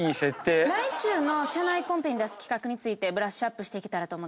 来週の社内コンペに出す企画についてブラッシュアップしていけたらと思っています。